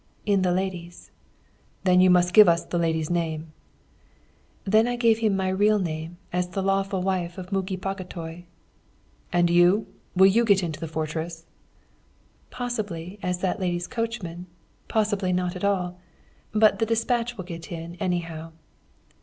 "'In the lady's.' "'Then you must give us the lady's name.' "Then I gave him my real name as the lawful wife of Muki Bagotay. "'And you? Will you get into the fortress?' "'Possibly, as that lady's coachman possibly not at all; but the despatch will get in, anyhow.'